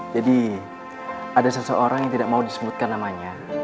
jadi ada seseorang yang tidak mau disebutkan namanya